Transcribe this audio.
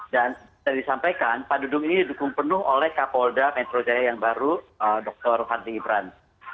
dan saya disampaikan pak dudung ini didukung penuh oleh kapolda metro jaya yang baru dr fadzal